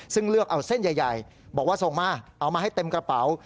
ซึ่งเลือกเอาเส้นใหญ่บอกว่าส่งมาเอามาให้เต็มกระเป๋า